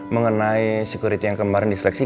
mengenai security yang kemarin difleksi